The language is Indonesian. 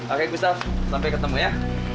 oke bisa sampai ketemu ya